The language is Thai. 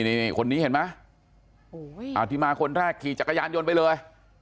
นี่คนนี้เห็นไหมที่มาคนแรกขี่จักรยานยนต์ไปเลย